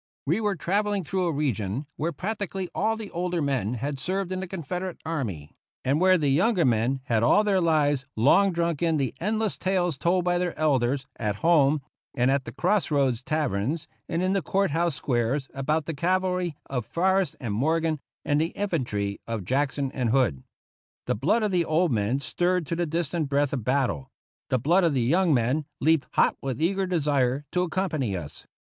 We were travelling through a region where practically all the oldei men had served in the Confederate Army, and where the younger men had all their lives long drunk in the endless tales told by their elders, at home, and at the cross roads taverns, and in the court house squares, about the cavalry of Forrest and Morgan and the infantry of Jackson and 58 TO CUBA Hood. The blood of the old men stirred to the distant breath of battle ; the blood of the young men leaped hot with eager desire to accompany us.